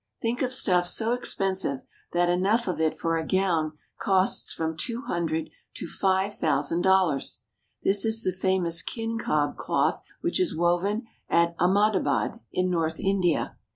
Think of stuff so expensive that enough of it for a gown costs from two hundred to five thousand dollars ! This is the famous kincob cloth which is woven at Ahmada THE STORES AND TRADES OF INDIA 271 bad, in north India.